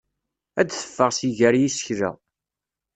Ad d-teffeɣ si gar yisekla.